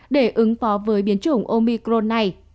để ứng phó với biến chủng omicron này